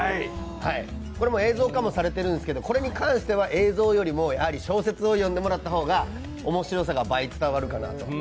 これもう、映像化もされてるんですけどこれに関しては映像よりも小説を読んでもらった方が面白さが倍伝わるから。